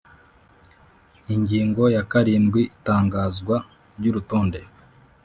Ingingo ya karindwi Itangazwa ry urutonde